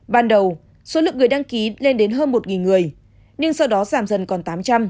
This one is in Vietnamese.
ban đầu số lượng người đăng ký lên đến hơn một người nhưng sau đó giảm dần còn tám trăm linh